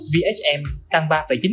vhm tăng ba chín mươi ba